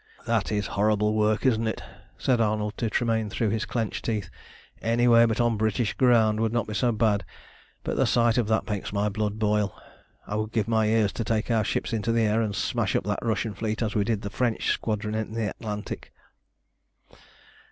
"That is horrible work, isn't it?" said Arnold to Tremayne through his clenched teeth. "Anywhere but on British ground would not be so bad, but the sight of that makes my blood boil. I would give my ears to take our ships into the air, and smash up that Russian fleet as we did the French Squadron in the Atlantic."